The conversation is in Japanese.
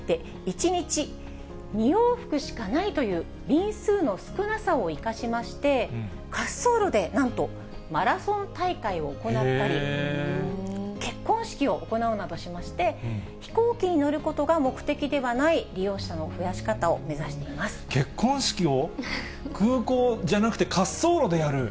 １日２往復しかないという便数の少なさを生かしまして、滑走路でなんと、マラソン大会を行ったり、結婚式を行うなどしまして、飛行機に乗ることが目的ではない利用者の増やし方を目指していま結婚式を空港じゃなくて、滑走路でやる？